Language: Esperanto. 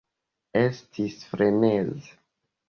Estis freneze